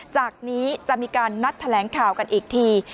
จากนี้จะมีการนัดแถลงข่าวกันอีกที